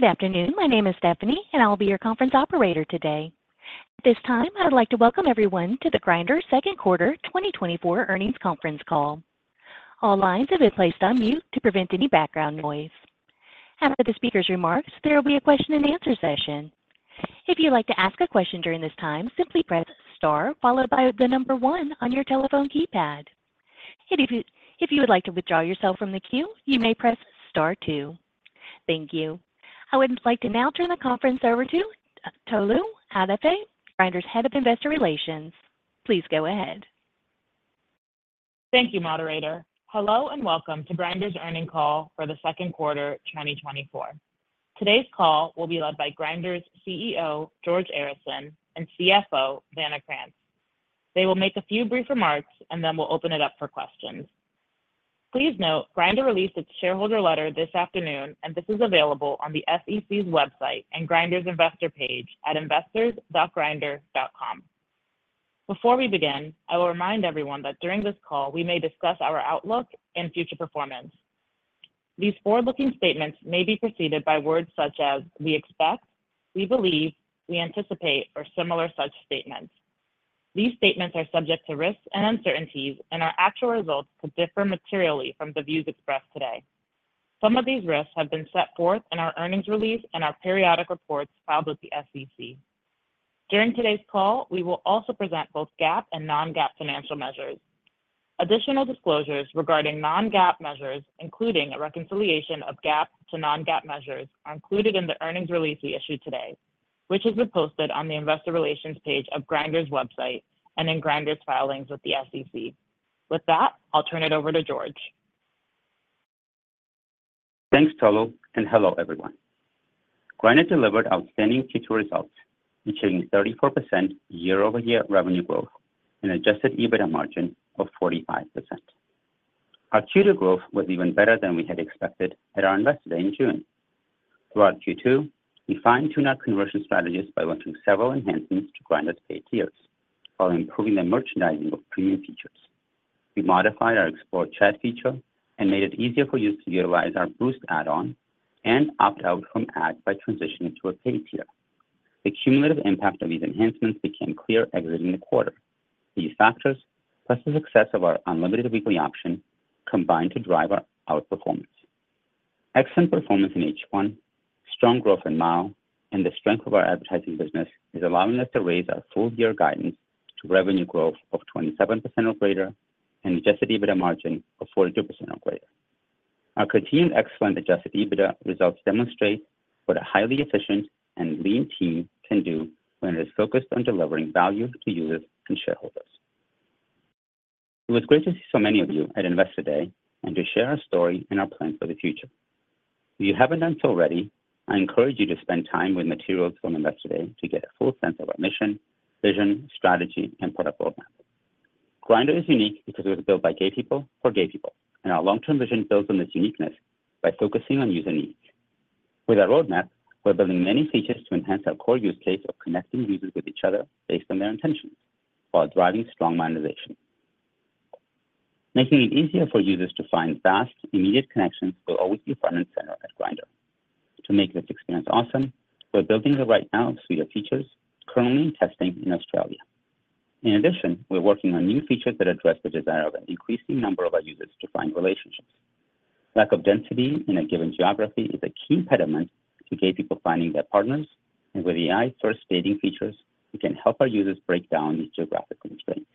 Good afternoon. My name is Stephanie, and I will be your conference operator today. At this time, I'd like to welcome everyone to the Grindr Second Quarter 2024 Earnings Conference Call. All lines have been placed on mute to prevent any background noise. After the speaker's remarks, there will be a question-and-answer session. If you'd like to ask a question during this time, simply press Star followed by the number one on your telephone keypad. And if you would like to withdraw yourself from the queue, you may press Star two. Thank you. I would like to now turn the conference over to Tolu Adeofe, Grindr's Head of Investor Relations. Please go ahead. Thank you, moderator. Hello, and welcome to Grindr's earnings call for the second quarter, 2024. Today's call will be led by Grindr's CEO, George Arison, and CFO, Vanna Krantz. They will make a few brief remarks, and then we'll open it up for questions. Please note, Grindr released its shareholder letter this afternoon, and this is available on the SEC's website and Grindr's investor page at investors.grindr.com. Before we begin, I will remind everyone that during this call, we may discuss our outlook and future performance. These forward-looking statements may be preceded by words such as: we expect, we believe, we anticipate, or similar such statements. These statements are subject to risks and uncertainties, and our actual results could differ materially from the views expressed today. Some of these risks have been set forth in our earnings release and our periodic reports filed with the SEC. During today's call, we will also present both GAAP and non-GAAP financial measures. Additional disclosures regarding non-GAAP measures, including a reconciliation of GAAP to non-GAAP measures, are included in the earnings release we issued today, which has been posted on the investor relations page of Grindr's website and in Grindr's filings with the SEC. With that, I'll turn it over to George. Thanks, Tolu, and hello, everyone. Grindr delivered outstanding Q2 results, featuring 34% year-over-year revenue growth and adjusted EBITDA margin of 45%. Our Q2 growth was even better than we had expected at our Investor Day in June. Throughout Q2, we fine-tuned our conversion strategies by launching several enhancements to Grindr's paid tiers, while improving the merchandising of premium features. We modified our Explore chat feature and made it easier for users to utilize our Boost add-on and opt out from ads by transitioning to a paid tier. The cumulative impact of these enhancements became clear exiting the quarter. These factors, plus the success of our Unlimited weekly option, combined to drive our performance. Excellent performance in H1, strong growth in MAU, and the strength of our advertising business is allowing us to raise our full-year guidance to revenue growth of 27% or greater and adjusted EBITDA margin of 42% or greater. Our continued excellent adjusted EBITDA results demonstrate what a highly efficient and lean team can do when it is focused on delivering value to users and shareholders. It was great to see so many of you at Investor Day and to share our story and our plans for the future. If you haven't done so already, I encourage you to spend time with materials from Investor Day to get a full sense of our mission, vision, strategy, and product roadmap. Grindr is unique because it was built by gay people for gay people, and our long-term vision builds on this uniqueness by focusing on user needs. With our roadmap, we're building many features to enhance our core use case of connecting users with each other based on their intentions, while driving strong monetization. Making it easier for users to find fast, immediate connections will always be front and center at Grindr. To make this experience awesome, we're building the Right Now suite of features currently in testing in Australia. In addition, we're working on new features that address the desire of an increasing number of our users to find relationships. Lack of density in a given geography is a key impediment to gay people finding their partners, and with AI-sourced dating features, we can help our users break down these geographic constraints.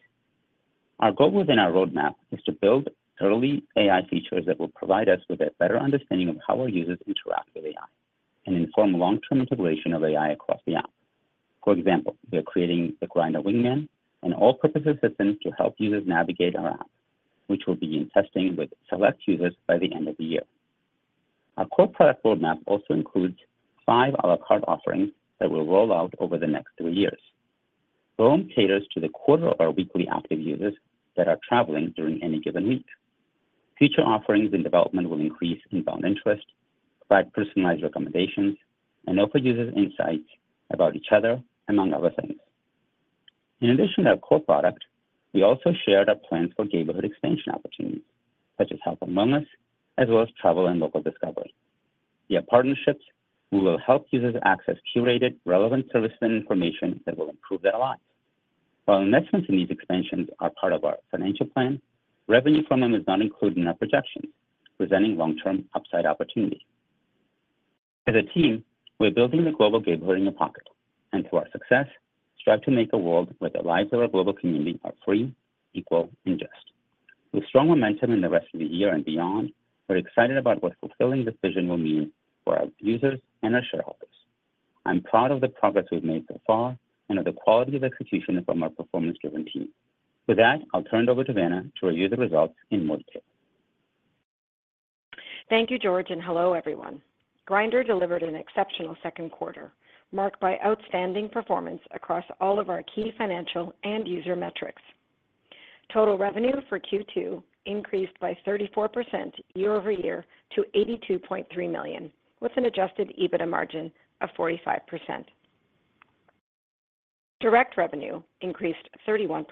Our goal within our roadmap is to build early AI features that will provide us with a better understanding of how our users interact with AI and inform long-term integration of AI across the app. For example, we are creating the Grindr Wingman, an all-purpose assistant to help users navigate our app, which will be in testing with select users by the end of the year. Our core product roadmap also includes five à la carte offerings that will roll out over the next three years. Roam caters to the quarter of our weekly active users that are traveling during any given week. Future offerings and development will increase inbound interest, provide personalized recommendations, and offer users insights about each other, among other things. In addition to our core product, we also shared our plans for gayborhood expansion opportunities, such as health and wellness, as well as travel and local discovery. Via partnerships, we will help users access curated, relevant services and information that will improve their lives. While investments in these expansions are part of our financial plan, revenue from them is not included in our projections, presenting long-term upside opportunity. As a team, we're building the Global Gayborhood in your pocket, and through our success, strive to make a world where the lives of our global community are free, equal, and just. With strong momentum in the rest of the year and beyond, we're excited about what fulfilling this vision will mean for our users and our shareholders. I'm proud of the progress we've made so far and of the quality of execution from our performance-driven team. With that, I'll turn it over to Vanna to review the results in more detail. Thank you, George, and hello, everyone. Grindr delivered an exceptional second quarter, marked by outstanding performance across all of our key financial and user metrics. Total revenue for Q2 increased by 34% year-over-year to $82.3 million, with an adjusted EBITDA margin of 45%. ...Direct revenue increased 31%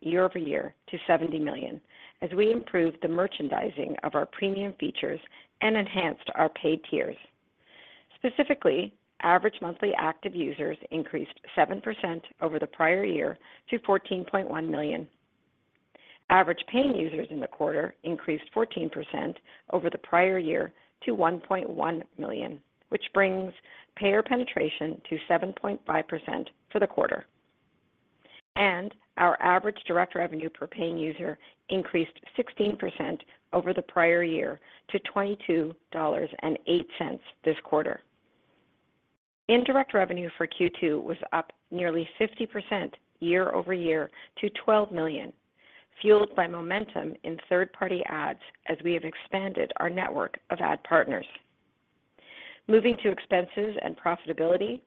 year-over-year to $70 million as we improved the merchandising of our premium features and enhanced our paid tiers. Specifically, average monthly active users increased 7% over the prior year to 14.1 million. Average paying users in the quarter increased 14% over the prior year to 1.1 million, which brings payer penetration to 7.5% for the quarter and our average direct revenue per paying user increased 16% over the prior year to $22.08 this quarter. Indirect revenue for Q2 was up nearly 50% year-over-year to $12 million, fueled by momentum in third-party ads as we have expanded our network of ad partners. Moving to expenses and profitability,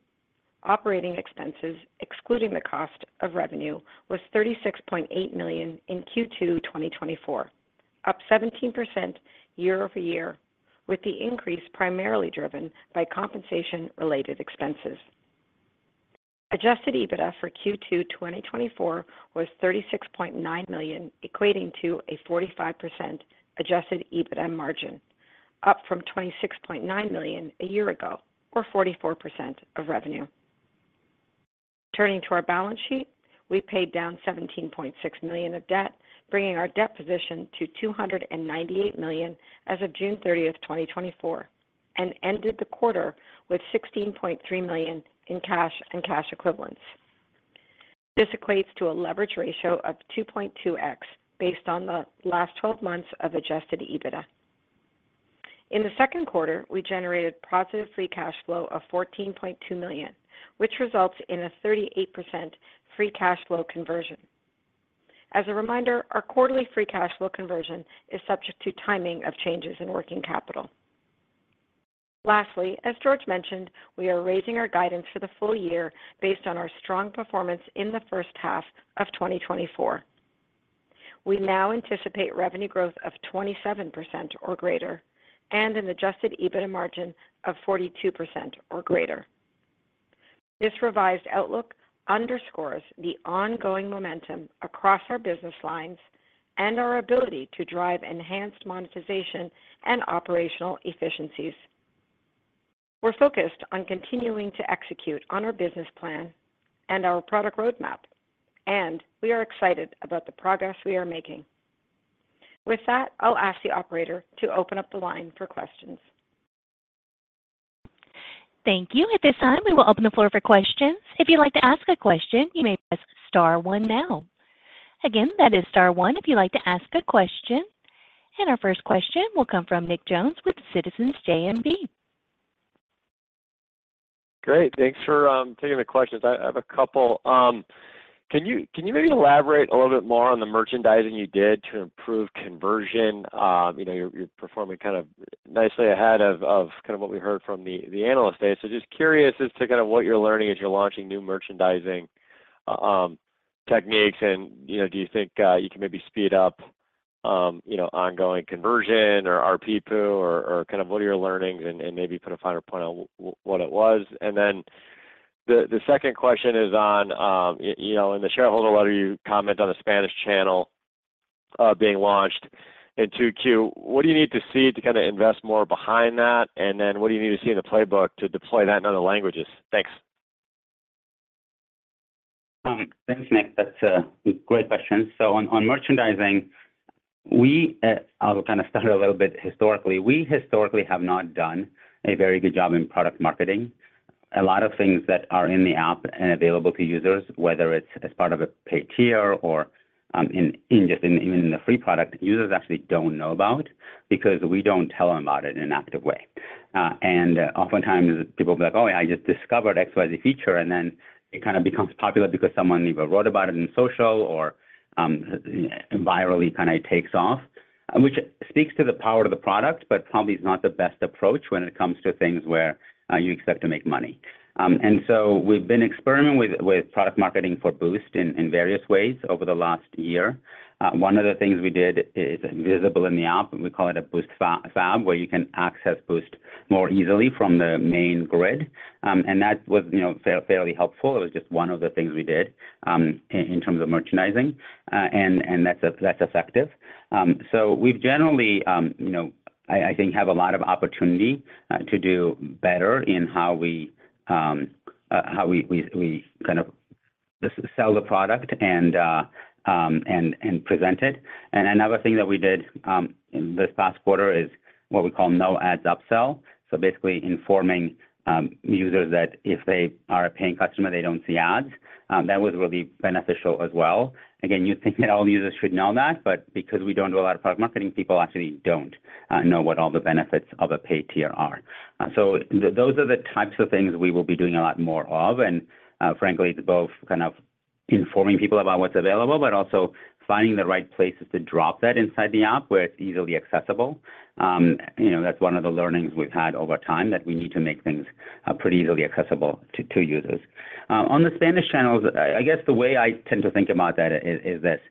operating expenses, excluding the cost of revenue, was $36.8 million in Q2 2024, up 17% year-over-year, with the increase primarily driven by compensation-related expenses. Adjusted EBITDA for Q2 2024 was $36.9 million, equating to a 45% adjusted EBITDA margin, up from $26.9 million a year ago, or 44% of revenue. Turning to our balance sheet, we paid down $17.6 million of debt, bringing our debt position to $298 million as of June 30, 2024, and ended the quarter with $16.3 million in cash and cash equivalents. This equates to a leverage ratio of 2.2x based on the last 12 months of adjusted EBITDA. In the second quarter, we generated positive free cash flow of $14.2 million, which results in a 38% free cash flow conversion. As a reminder, our quarterly free cash flow conversion is subject to timing of changes in working capital. Lastly, as George mentioned, we are raising our guidance for the full year based on our strong performance in the first half of 2024. We now anticipate revenue growth of 27% or greater, and an Adjusted EBITDA margin of 42% or greater. This revised outlook underscores the ongoing momentum across our business lines and our ability to drive enhanced monetization and operational efficiencies. We're focused on continuing to execute on our business plan and our product roadmap, and we are excited about the progress we are making. With that, I'll ask the operator to open up the line for questions. Thank you, at this time, we will open the floor for questions. If you'd like to ask a question, you may press star one now. Again, that is star one if you'd like to ask a question. Our first question will come from Nick Jones with Citizens JMP. Great. Thanks for taking the questions. I have a couple. Can you maybe elaborate a little bit more on the merchandising you did to improve conversion? You know, you're performing kind of nicely ahead of what we heard from the analyst day. So just curious as to what you're learning as you're launching new merchandising techniques, and, you know, do you think you can maybe speed up ongoing conversion or RPPU or what are your learnings and maybe put a finer point on what it was? Then the second question is on, you know, in the shareholder letter, you comment on the Spanish channel being launched in Q2. What do you need to see to invest more behind that and then what do you need to see in the playbook to deploy that in other languages? Thanks. Thanks, Nick. That's a great question. So on merchandising, we'll kind of start a little bit historically. We historically have not done a very good job in product marketing. A lot of things that are in the app and available to users, whether it's as part of a paid tier or in just the free product, users actually don't know about because we don't tell them about it in an active way. And oftentimes people will be like, "Oh, I just discovered XYZ feature," and then it kind of becomes popular because someone either wrote about it in social or virally kind of takes off, which speaks to the power of the product, but probably is not the best approach when it comes to things where you expect to make money. And so we've been experimenting with product marketing for Boost in various ways over the last year. One of the things we did is visible in the app, and we call it a Boost FAB, where you can access Boost more easily from the main grid. And that was, you know, fairly helpful. It was just one of the things we did in terms of merchandising, and that's effective. So we've generally, you know, I think, have a lot of opportunity to do better in how we kind of sell the product and present it. And another thing that we did in this past quarter is what we call no ads upsell. So basically informing users that if they are a paying customer, they don't see ads. That was really beneficial as well. Again, you'd think that all users should know that, but because we don't do a lot of product marketing, people actually don't know what all the benefits of a paid tier are. So those are the types of things we will be doing a lot more of, and frankly, it's both kind of informing people about what's available, but also finding the right places to drop that inside the app where it's easily accessible. You know, that's one of the learnings we've had over time, that we need to make things pretty easily accessible to users. On the Spanish channels, I guess the way I tend to think about that is this:...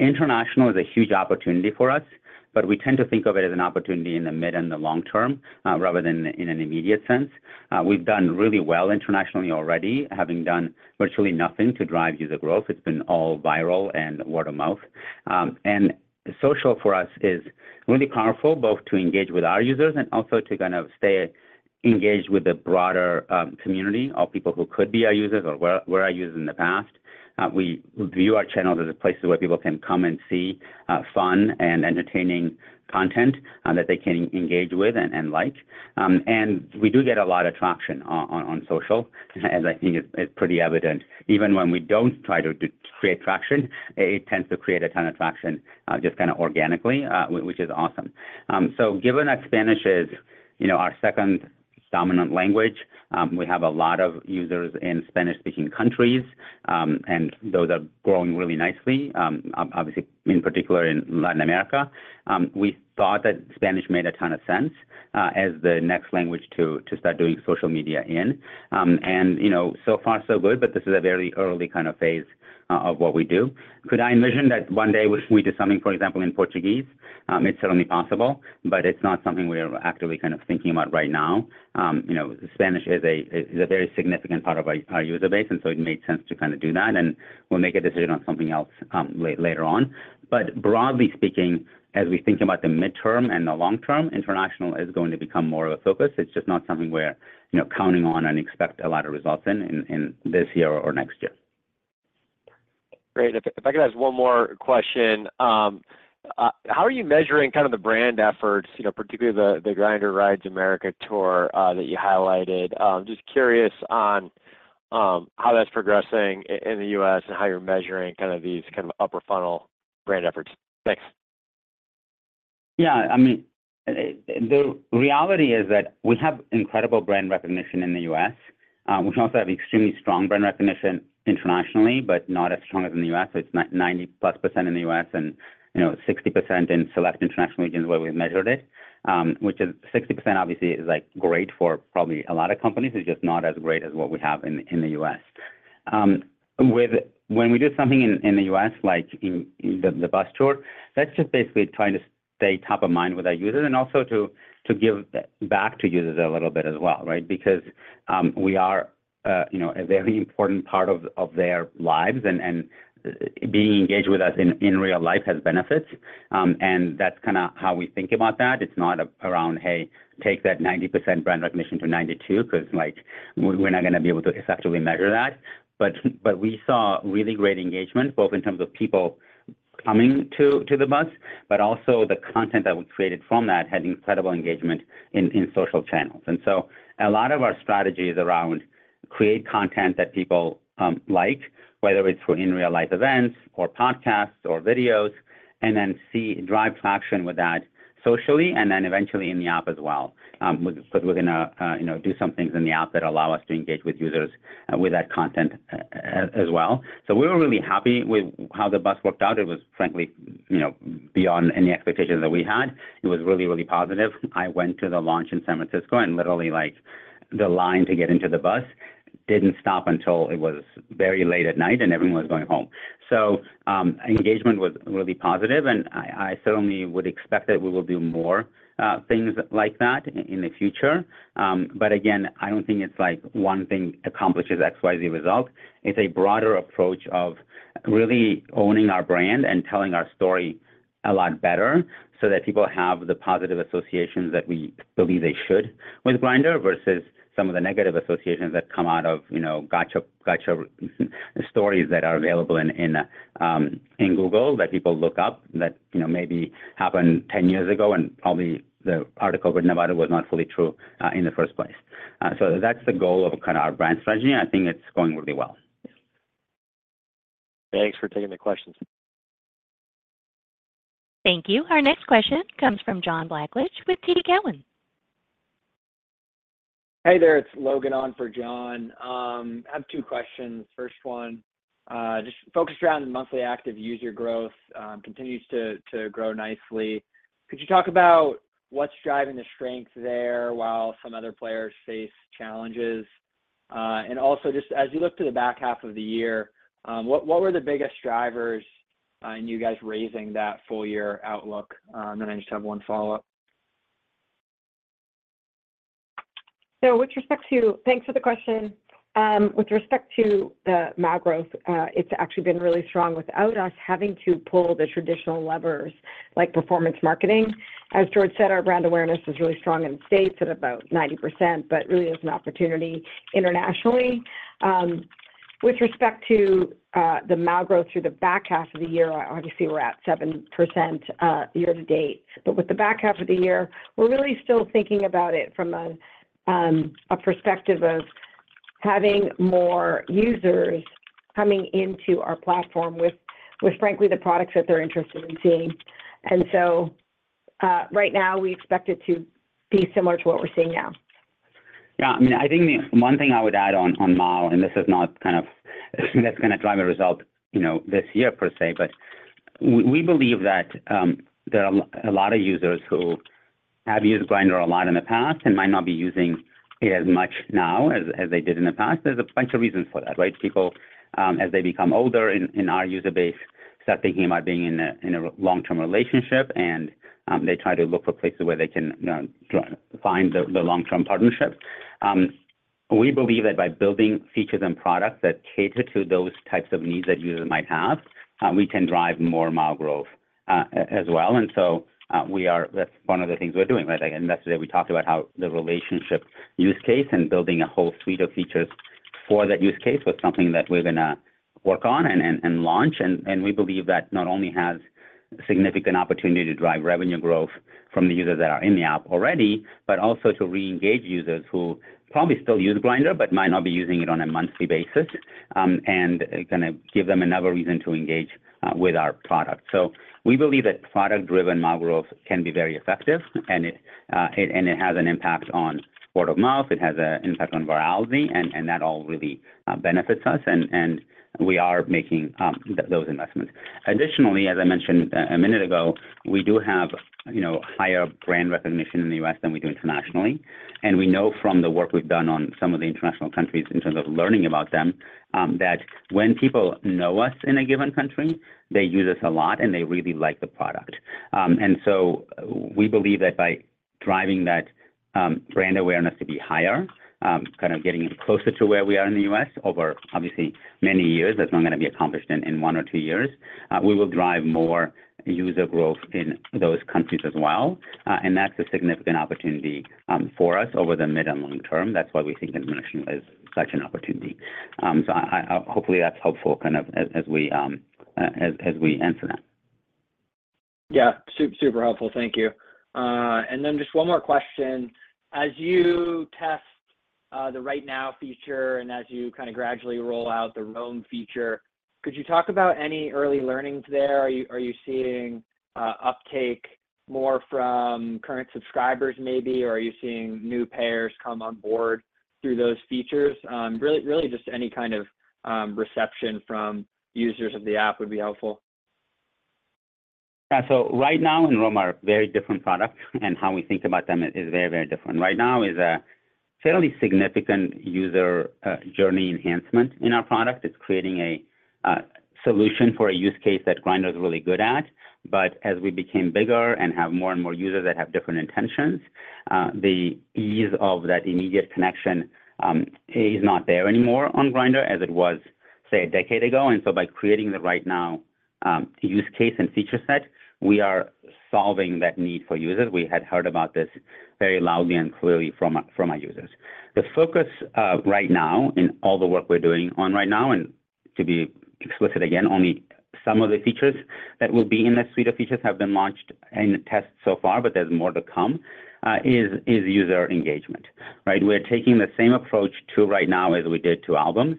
International is a huge opportunity for us, but we tend to think of it as an opportunity in the mid and the long term, rather than in an immediate sense. We've done really well internationally already, having done virtually nothing to drive user growth. It's been all viral and word of mouth. And social for us is really powerful, both to engage with our users and also to kind of stay engaged with the broader community of people who could be our users or were our users in the past. We view our channels as a place where people can come and see fun and entertaining content that they can engage with and like. And we do get a lot of traction on social, as I think it's pretty evident. Even when we don't try to create traction, it tends to create a ton of traction, just kind of organically, which is awesome. So given that Spanish is, you know, our second dominant language, we have a lot of users in Spanish-speaking countries, and those are growing really nicely, obviously, in particular in Latin America. We thought that Spanish made a ton of sense, as the next language to start doing social media in. And, you know, so far, so good, but this is a very early kind of phase of what we do. Could I envision that one day we do something, for example, in Portuguese? It's certainly possible, but it's not something we are actively kind of thinking about right now. You know, Spanish is a very significant part of our user base, and so it made sense to kind of do that, and we'll make a decision on something else, later on. But broadly speaking, as we think about the midterm and the long term, international is going to become more of a focus. It's just not something we're, you know, counting on and expect a lot of results in this year or next year. Great. If I could ask one more question. How are you measuring kind of the brand efforts, you know, particularly the Grindr Rides America Tour that you highlighted? Just curious on how that's progressing in the U.S. and how you're measuring kind of these kind of upper funnel brand efforts? Thanks. Yeah. I mean, the reality is that we have incredible brand recognition in the U.S. We also have extremely strong brand recognition internationally, but not as strong as in the U.S. So it's 90%+ in the U.S. and, you know, 60% in select international regions where we've measured it. Which is 60%, obviously, is, like, great for probably a lot of companies. It's just not as great as what we have in the U.S. When we do something in the U.S., like the bus tour, that's just basically trying to stay top of mind with our users and also to give back to users a little bit as well, right? Because, we are, you know, a very important part of their lives, and being engaged with us in real life has benefits. And that's kind of how we think about that. It's not around, hey, take that 90% brand recognition to 92, because, like, we're not going to be able to effectively measure that. But we saw really great engagement, both in terms of people coming to the bus, but also the content that we created from that had incredible engagement in social channels. And so a lot of our strategy is around create content that people like, whether it's through in real life events or podcasts or videos, and then drive traction with that socially and then eventually in the app as well. But we're gonna, you know, do some things in the app that allow us to engage with users with that content as well. So we were really happy with how the bus worked out. It was frankly, you know, beyond any expectations that we had. It was really, really positive. I went to the launch in San Francisco, and literally, like, the line to get into the bus didn't stop until it was very late at night and everyone was going home. So, engagement was really positive, and I certainly would expect that we will do more things like that in the future. But again, I don't think it's like one thing accomplishes XYZ result. It's a broader approach of really owning our brand and telling our story a lot better, so that people have the positive associations that we believe they should with Grindr, versus some of the negative associations that come out of, you know, gotcha, gotcha stories that are available in Google, that people look up, that, you know, maybe happened 10 years ago and probably the article written about it was not fully true, so that's the goal of kind of our brand strategy, and I think it's going really well. Thanks for taking the questions. Thank you. Our next question comes from John Blackledge with TD Cowen. Hey there, it's Logan on for John. I have two questions. First one, just focused around the monthly active user growth, continues to grow nicely. Could you talk about what's driving the strength there, while some other players face challenges? And also, just as you look to the back half of the year, what were the biggest drivers in you guys raising that full year outlook? And then I just have one follow-up. So with respect to, thanks for the question. With respect to the MAU growth, it's actually been really strong without us having to pull the traditional levers, like performance marketing. As George said, our brand awareness is really strong in the States at about 90%, but really is an opportunity internationally. With respect to the MAU growth through the back half of the year, obviously, we're at 7%, year-to-date. But with the back half of the year, we're really still thinking about it from a perspective of having more users coming into our platform with, frankly, the products that they're interested in seeing. And so, right now, we expect it to be similar to what we're seeing now. Yeah, I mean, I think the one thing I would add on, on MAU, and this is not kind of, that's gonna drive a result, you know, this year per se, but we, we believe that, there are a lot of users who have used Grindr a lot in the past and might not be using it as much now as, as they did in the past. There's a bunch of reasons for that, right? People, as they become older in, in our user base, start thinking about being in a, in a long-term relationship, and, they try to look for places where they can, you know, find the, the long-term partnership. We believe that by building features and products that cater to those types of needs that users might have, we can drive more MAU growth as well. And so, that's one of the things we're doing, right? Like, yesterday, we talked about how the relationship use case and building a whole suite of features for that use case was something that we're going to work on and launch. We believe that not only has significant opportunity to drive revenue growth from the users that are in the app already, but also to reengage users who probably still use Grindr, but might not be using it on a monthly basis, and it's gonna give them another reason to engage with our product. So we believe that product-driven mild growth can be very effective, and it has an impact on word of mouth, it has an impact on virality, and that all really benefits us, and we are making those investments. Additionally, as I mentioned a minute ago, we do have, you know, higher brand recognition in the U.S. than we do internationally. And we know from the work we've done on some of the international countries in terms of learning about them, that when people know us in a given country, they use us a lot, and they really like the product. And so we believe that by driving that brand awareness to be higher, kind of getting closer to where we are in the U.S. over obviously many years, that's not gonna be accomplished in one or two years, we will drive more user growth in those countries as well. And that's a significant opportunity for us over the mid and long term. That's why we think international is such an opportunity. So, hopefully that's helpful, kind of, as we answer that. Yeah, super helpful. Thank you. And then just one more question: as you test the Right Now feature, and as you kind of gradually roll out the Roam feature, could you talk about any early learnings there? Are you seeing uptake more from current subscribers maybe, or are you seeing new payers come on board through those features? Really, really just any kind of reception from users of the app would be helpful. Yeah. So Right Now and Roam are very different products, and how we think about them is very, very different. Right Now is a fairly significant user journey enhancement in our product. It's creating a solution for a use case that Grindr is really good at. But as we became bigger and have more and more users that have different intentions, the ease of that immediate connection is not there anymore on Grindr as it was, say, a decade ago. And so by creating the Right Now use case and feature set, we are solving that need for users. We had heard about this very loudly and clearly from our users. The focus right now in all the work we're doing on Right Now, and to be explicit, again, only some of the features that will be in that suite of features have been launched in the test so far, but there's more to come, is user engagement, right? We're taking the same approach to Right Now as we did to Albums.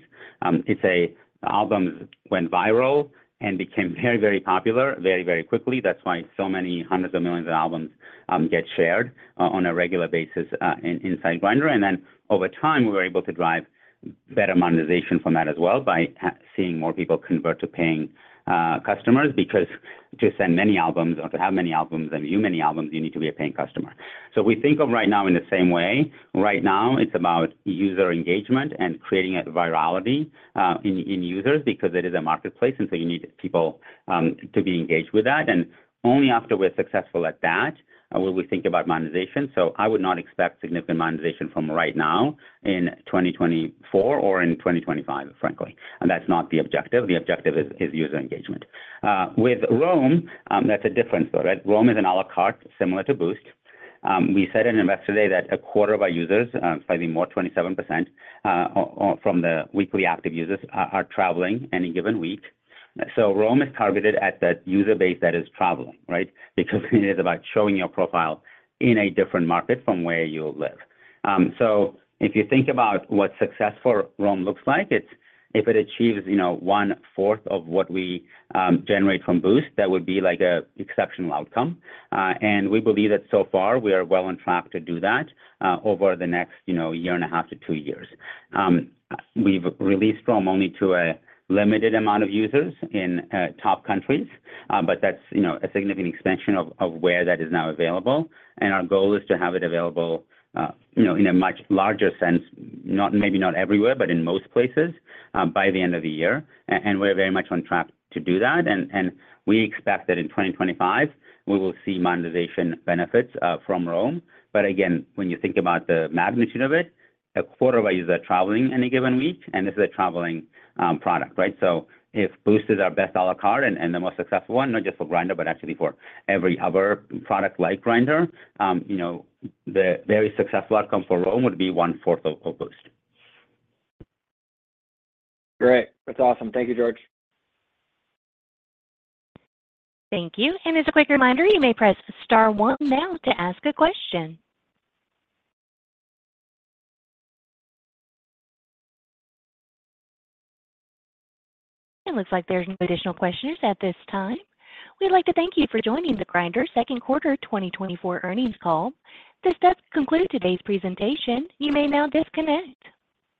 Albums went viral and became very, very popular, very, very quickly. That's why so many hundreds of millions of albums get shared on a regular basis inside Grindr. And then over time, we were able to drive better monetization from that as well by seeing more people convert to paying customers, because to send many albums or to have many albums and view many albums, you need to be a paying customer. So we think of Right Now in the same way. Right now, it's about user engagement and creating a virality, in users because it is a marketplace, and so you need people to be engaged with that. And only after we're successful at that, will we think about monetization. So I would not expect significant monetization from Right Now in 2024 or in 2025, frankly. And that's not the objective. The objective is user engagement. With Roam, that's a different story, right? Roam is an à la carte, similar to Boost. We said in Investor Day that a quarter of our users, slightly more, 27%, from the weekly active users are traveling any given week. So Roam is targeted at that user base that is traveling, right? Because it is about showing your profile in a different market from where you live. So if you think about what success for Roam looks like, it's if it achieves, you know, 1/4 of what we generate from Boost, that would be like an exceptional outcome. And we believe that so far, we are well on track to do that, over the next, you know, year and a half to two years. We've released Roam only to a limited amount of users in top countries, but that's, you know, a significant expansion of where that is now available. And our goal is to have it available, you know, in a much larger sense, not maybe not everywhere, but in most places, by the end of the year. And we're very much on track to do that. We expect that in 2025, we will see monetization benefits from Roam. But again, when you think about the magnitude of it, a quarter of our users are traveling any given week, and this is a traveling product, right? So if Boost is our best à la carte and the most successful one, not just for Grindr, but actually for every other product like Grindr, you know, the very successful outcome for Roam would be 1/4 of Boost. Great. That's awesome. Thank you, George. Thank you. As a quick reminder, you may press star one now to ask a question. It looks like there's no additional questions at this time. We'd like to thank you for joining the Grindr second quarter 2024 earnings call. This does conclude today's presentation. You may now disconnect.